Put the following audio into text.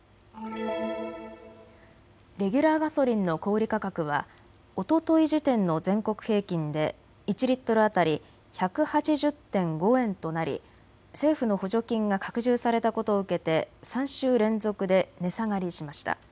レギュラーガソリンの小売価格はおととい時点の全国平均で１リットル当たり１８０．５円となり政府の補助金が拡充されたことを受けて３週連続で値下がりしました。